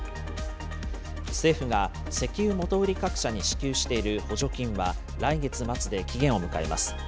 政府が石油元売り各社に支給している補助金は、来月末で期限を迎えます。